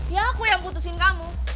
ya aku yang putusin kamu